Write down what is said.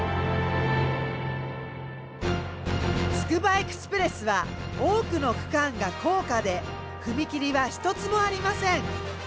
つくばエクスプレスは多くの区間が高架で踏切は一つもありません。